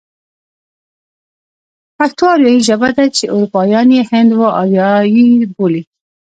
پښتو آريايي ژبه ده چې اروپايان يې هند و آريايي بولي.